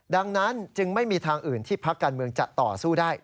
ดังนั้นจึงไม่มีทางอื่นที่พักการเมืองจะต่อสู้ได้